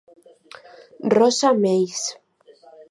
Rosa Meis.